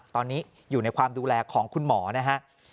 ตอนนี้อยู่ในความดูแลของคุณหมอนะฮะ